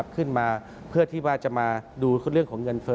ขึ้นมาเพื่อที่ว่าจะมาดูเรื่องของเงินเฟ้อ